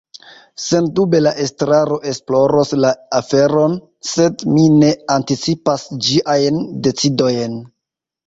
Sendube la Estraro esploros la aferon, sed mi ne anticipas ĝiajn decidojn.